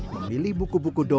memilih buku buku dolar